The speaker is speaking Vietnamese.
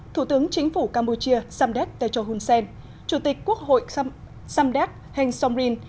thủ tướng chính phủ campuchia samdet techo hunsen chủ tịch quốc hội samdet heng somrin